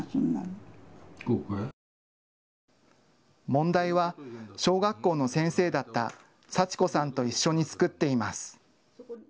問題は、小学校の先生だった祥子さんと一緒に作っています。